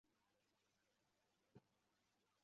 密肋粗饰蚶是魁蛤目魁蛤科粗饰蚶属的一种。